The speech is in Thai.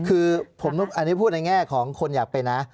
คืออันนี้พูดในแง่ของคนอยากเป็นนะ